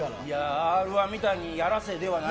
Ｒ‐１みたいにやらせではない。